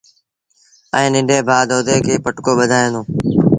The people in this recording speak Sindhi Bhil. ائيٚݩ ننڍي ڀآ دودي کي پٽڪو ٻڌآيآندون۔